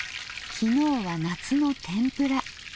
昨日は夏の天ぷら。